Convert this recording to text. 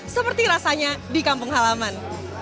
seperti rasanya di kampung halaman